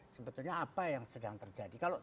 sebetulnya apa yang sedang terjadi